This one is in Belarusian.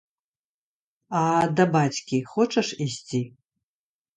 А да бацькі хочаш ісці?